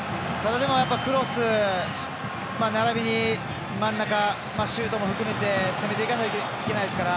クロスならびに真ん中シュートも含めて攻めていかないといけないですから。